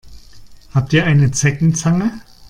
Habt ihr eine Zeckenzange?